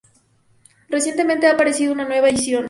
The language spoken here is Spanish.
Recientemente, ha aparecido una nueva edición.